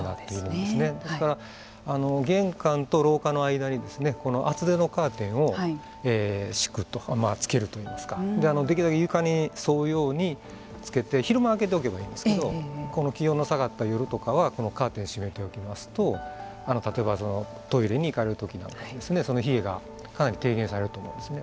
ですから、玄関と廊下の間に厚手のカーテンをつけるといいますかできるだけ床にそういうようなつけて昼間は開けておけばいいんですけど気温の下がった夜とかはカーテンを閉めておきますと例えばトイレに行かれるときにその冷えがかなり軽減されると思いますね。